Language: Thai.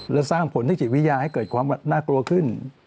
และสร้างผลทางจิตวิทยาให้เกิดความน่ากลัวขึ้น